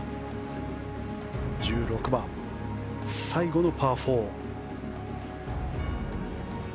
１６番、最後のパー４。